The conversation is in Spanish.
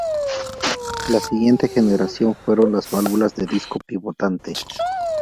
La siguiente generación fueron las válvulas de disco pivotante.